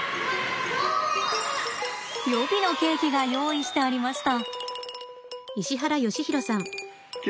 予備のケーキが用意してありました。